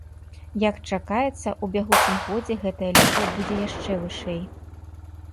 Як чакаецца, у бягучым годзе гэтая лічба будзе яшчэ вышэй.